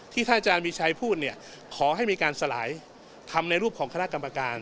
ท่านอาจารย์มีชัยพูดเนี่ยขอให้มีการสลายทำในรูปของคณะกรรมการ